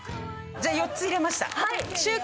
じゃあ、４つ入れました。